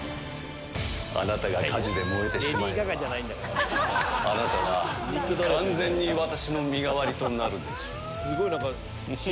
あなたが火事で燃えてしまえばあなたは完全に私の身代わりとなるでしょう